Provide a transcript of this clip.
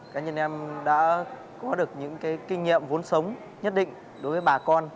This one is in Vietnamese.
cá nhân em đã có được những kinh nghiệm vốn sống nhất định đối với bà con